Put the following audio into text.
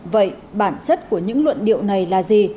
vậy bản chất của những luận điệu này là gì